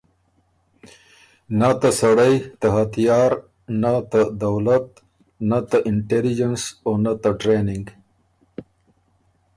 نۀ ته سړئ ته هتیار، نۀ ته دولت، نۀ ته اِنټېلیجنس او نۀ ته ټرېننګ۔